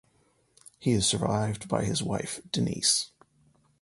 He is survived by his wife Denise.